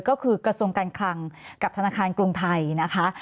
ก็คือกระทรวงการคลังกับธนาคารกรุงไทยนะคะ